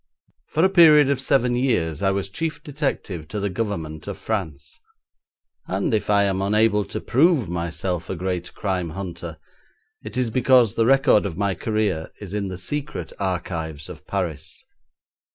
For a period of seven years I was chief detective to the Government of France, and if I am unable to prove myself a great crime hunter, it is because the record of my career is in the secret archives of Paris.